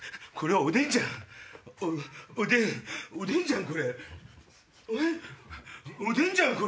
おでんじゃんこれ！